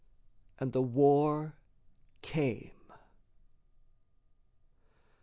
And the war came.